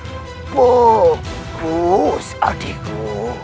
itu kabar yang sangat begitu bagus adikku